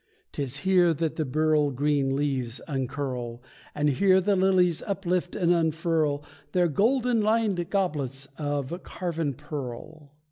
'Tis here that the beryl green leaves uncurl, And here the lilies uplift and unfurl Their golden lined goblets of carven pearl.